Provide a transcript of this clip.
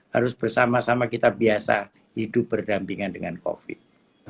harus bersama sama kita biasa hidup berdampingan dengan covid